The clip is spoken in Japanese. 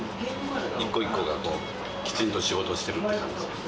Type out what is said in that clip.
一個一個がきちんと仕事してるって感じ。